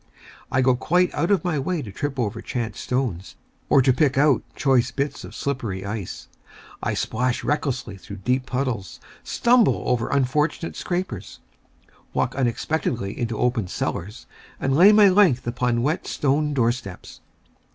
I go quite out of my way to trip over chance stones, or to pick out choice bits of slippery ice. I splash recklessly through deep puddles, stumble over unfortunate scrapers, walk unexpectedly into open cellars, and lay my length upon wet stone doorsteps.